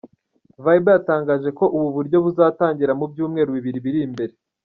Viber yatangaje ko ubu buryo buzatangira mu byumweru bibiri biri imbere.